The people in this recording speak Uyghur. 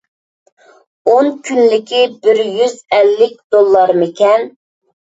ئون كۈنلۈكى بىر يۈز ئەللىك دوللارمىكەن؟